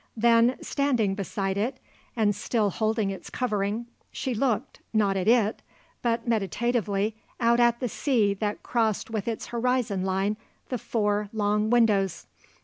Then, standing beside it, and still holding its covering, she looked, not at it, but, meditatively, out at the sea that crossed with its horizon line the four long windows.